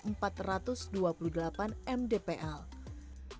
menanggungkan kekuatan yang menarik